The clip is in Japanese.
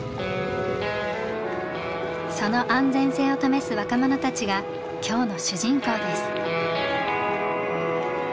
その安全性を試す若者たちが今日の主人公です。